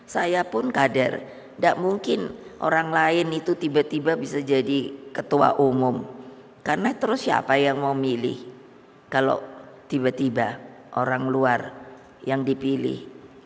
saya pun kader tidak mungkin orang lain itu tiba tiba bisa jadi ketua umum karena terus siapa yang mau milih kalau tiba tiba orang luar yang dipilih